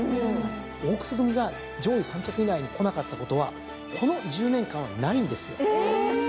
オークス組が上位３着以内にこなかったことはこの１０年間はないんですよ。